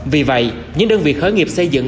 vì vậy những đơn vị khởi nghiệp xây dựng